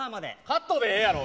カットでええやろ。